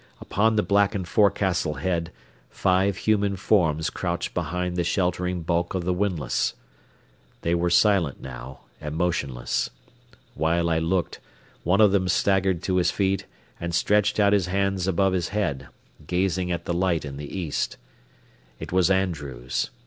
Upon the blackened forecastle head, five human forms crouched behind the sheltering bulk of the windlass. They were silent now and motionless. While I looked, one of them staggered to his feet and stretched out his hands above his head, gazing at the light in the east. It was Andrews.